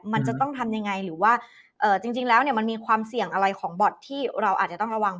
มันจะต้องทำยังไงหรือว่าจริงแล้วเนี่ยมันมีความเสี่ยงอะไรของบอร์ดที่เราอาจจะต้องระวัง